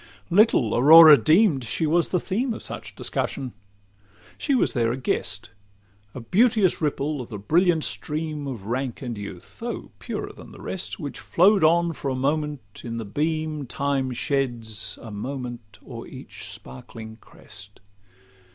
Little Aurora deem'd she was the theme Of such discussion. She was there a guest; A beauteous ripple of the brilliant stream Of rank and youth, though purer than the rest, Which flow'd on for a moment in the beam Time sheds a moment o'er each sparkling crest.